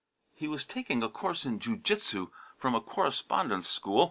He was taking a course in jiu jitsu from a correspondence school.